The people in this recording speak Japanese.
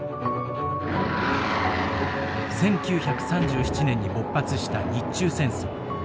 １９３７年に勃発した日中戦争。